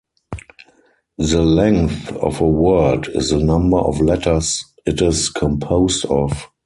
The length of a word is the number of letters it is composed of.